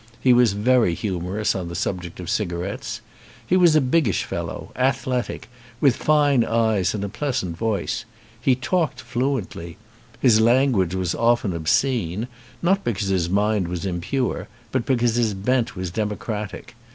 He was very humorous on the subject of cigarettes. He was a biggish fellow, athletic, with fine eyes and a pleasant voice. He talked fluently. His language was often obscene, not because his mind was impure, but be cause his bent was democratic.